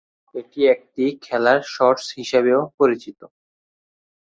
এটি একটি খেলার শর্টস হিসাবেও পরিচিত।